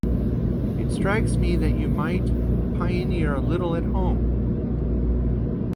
It strikes me that you might pioneer a little at home.